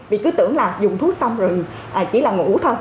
vì cứ tưởng là dùng thuốc xong rồi chỉ là ngủ thôi